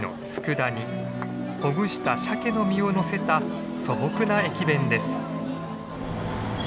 ほぐしたシャケの身をのせた素朴な駅弁です。